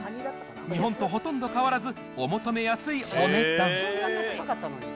日本とほとんど変わらず、お求めやすいお値段。